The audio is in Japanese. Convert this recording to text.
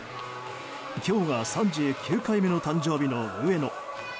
今日が３９回目の誕生日の上野。